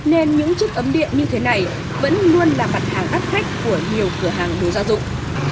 nên những chiếc ấm điện như thế này vẫn luôn là mặt hàng đắt khách của nhiều cửa hàng đồ gia dụng